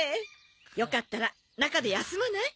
よかったら中で休まない？